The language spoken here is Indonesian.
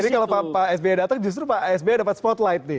jadi kalau pak sby datang justru pak sby dapat spotlight nih